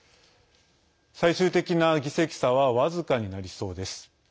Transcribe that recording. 最終的な議席差は僅かになりそうです。